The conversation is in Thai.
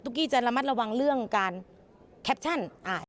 กี้จะระมัดระวังเรื่องการแคปชั่น